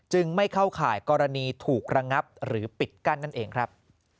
ไม่เข้าข่ายกรณีถูกระงับหรือปิดกั้นนั่นเองครับ